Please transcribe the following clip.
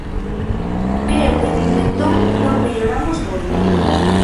Creo que dende entón non melloramos moito.